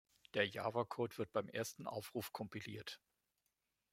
Der Java-Code wird beim ersten Aufruf kompiliert.